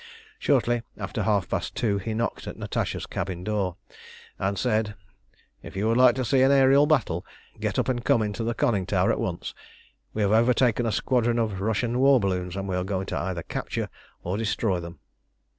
Shortly after half past two he knocked at Natasha's cabin door, and said "If you would like to see an aërial battle, get up and come into the conning tower at once. We have overtaken a squadron of Russian war balloons, and we are going either to capture or destroy them."